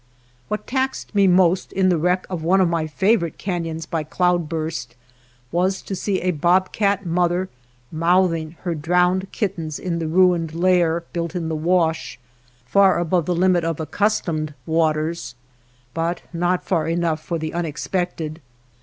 What taxed me most in the wreck of one of my favorite canons by cloud burst was to see a bobcat mother mouth ing her drowned kittens in the ruined lair built in the wash, far above the limit of ac customed waters, but not far enough for the unexpected.